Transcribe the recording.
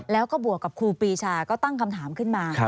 แล้วก็บวกกับครูปีชาก็ตั้งคำถามขึ้นมา